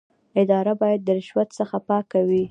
اداره باید د رشوت څخه پاکه وي.